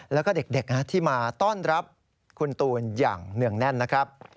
แล้วก็เด็กที่มาต้อนรับคุณตูนอย่างเนื่องแน่นนะครับ